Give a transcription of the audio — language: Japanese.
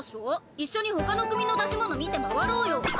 一緒に他の組の出し物見て回ろうよ。